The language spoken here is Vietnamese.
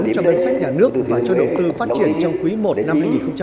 trong đơn sách nhà nước và cho đầu tư phát triển trong quý một năm hai nghìn một mươi bảy